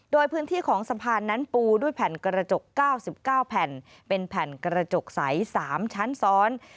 โดยพื้นที่ของสะพานนั้นปูด้วยแผ่นกระจก๙๙แผ่นเป็นแผ่นกระจกใส๓ชั้นซ้อน